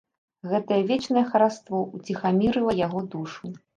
Гэтае вечнае хараство ўціхамірыла яго душу.